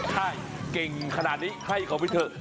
ใช่เก่งขนาดนี้ให้เขาไปเถอะ